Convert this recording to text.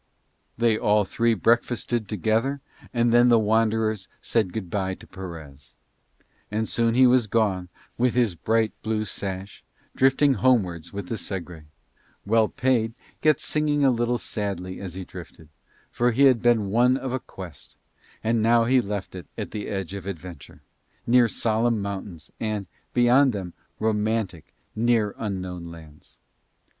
They all three breakfasted together, and then the wanderers said good bye to Perez. And soon he was gone with his bright blue sash, drifting homewards with the Segre, well paid yet singing a little sadly as he drifted; for he had been one of a quest, and now he left it at the edge of adventure, near solemn mountains and, beyond them, romantic, near unknown lands.